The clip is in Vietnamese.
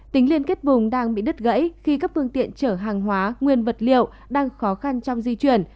tính liên kết vùng đang bị đứt gãy khi các phương tiện chở hàng hóa nguyên vật liệu đang khó khăn trong di chuyển